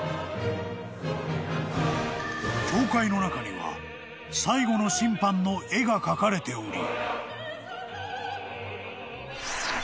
［教会の中には「最後の審判」の絵が描かれており］